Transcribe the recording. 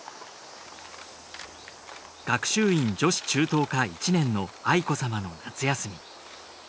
学習院女子中等科１年の愛子さまの夏休み。